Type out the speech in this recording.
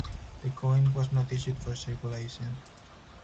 The coin was not issued for circulation.